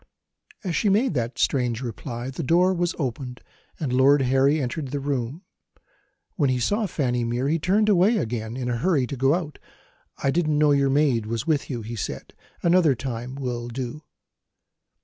As she made that strange reply the door was opened, and Lord Harry entered the room. When he saw Fanny Mere he turned away again, in a hurry, to go out. "I didn't know your maid was with you," he said. "Another time will do."